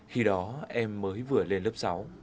khi đó em mới vừa lên lớp sáu